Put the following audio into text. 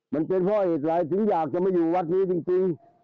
มันเป็นเพราะเหตุอะไรถึงอยากจะมาอยู่วัดนี้จริง